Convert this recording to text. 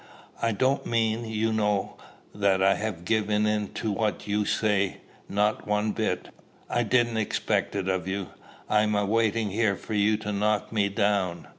"I don't mean, you know, that I give in to what you say, not one bit." "I didn't expect it of you. I'm a waitin' here for you to knock me down."